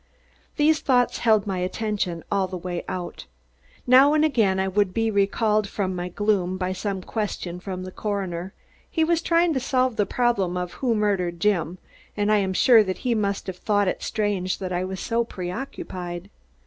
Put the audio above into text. These thoughts held my attention all the way out. Now and again I would be recalled from my gloom by some question from the coroner. He was trying to solve the problem of who murdered Jim and I am sure he must have thought it strange that I was so preoccupied.